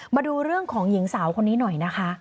มาดูเรื่องของหญิงสาวคนนี้หน่อยนะคะ